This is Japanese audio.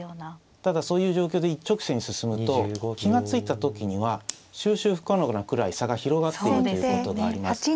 ただそういう状況で一直線に進むと気が付いた時には収拾不可能なくらい差が広がっているということがあります。